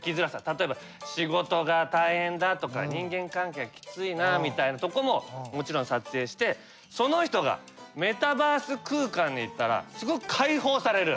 例えば仕事が大変だとか人間関係がきついなみたいなとこももちろん撮影してその人がメタバース空間に行ったらすごく解放される。